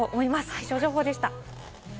気象情報でした。